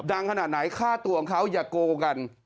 ดังขนาดไหนค่าตัวของเขาอย่ากลัวกัน